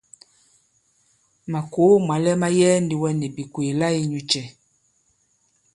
Màkòo mwàlɛ ma yɛɛ ndi wɛ nì bìkwèè la inyūcɛ̄?